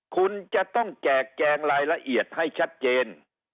คุณจะต้องแจกแจงรายละเอียดให้ชัดเจน